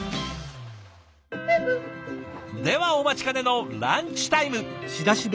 ではお待ちかねのランチタイム！